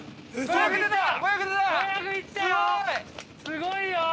すごいよ。